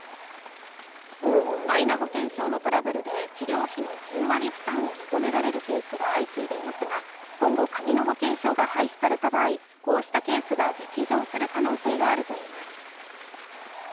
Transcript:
マイナ保険証のトラブルで治療費の１０割負担を求められるケースが相次いでいますが、今後紙の保険証が廃止された場合、こうしたケースが激増する可能性があるといいます。